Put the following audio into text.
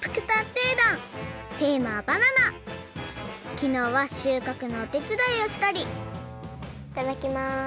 きのうはしゅうかくのおてつだいをしたりいただきます！